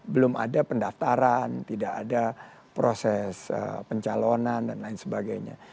belum ada pendaftaran tidak ada proses pencalonan dan lain sebagainya